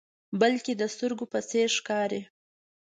بلکې د سترګو په څیر ښکاري.